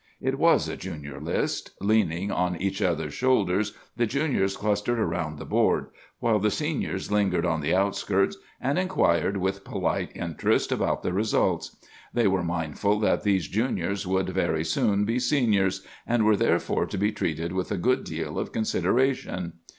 "It was a Junior list. Leaning on each other's shoulders, the Juniors clustered around the board, while the Seniors lingered on the outskirts, and inquired with polite interest about the results. They were mindful that these Juniors would very soon be Seniors, and were therefore to be treated with a good deal of consideration.